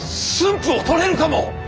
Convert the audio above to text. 府を取れるかも！